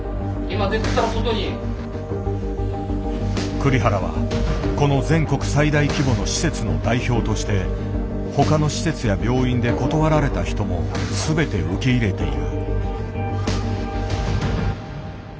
栗原はこの全国最大規模の施設の代表として他の施設や病院で断られた人も全て受け入れている。